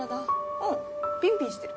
うんピンピンしてる。